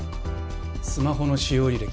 スマホの使用履歴